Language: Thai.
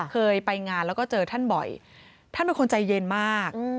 เคยไปงานแล้วก็เจอท่านบ่อยท่านเป็นคนใจเย็นมาก